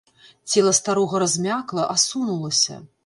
Цела старога размякла, асунулася.